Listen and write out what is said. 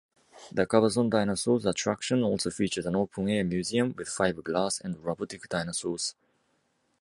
The Cabazon Dinosaurs attraction also features an open-air museum with fiberglass and robotic dinosaurs.